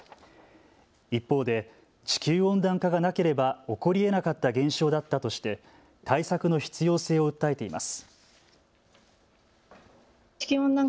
一方で地球温暖化がなければ起こりえなかった現象だったとして対策の必要性を訴えています。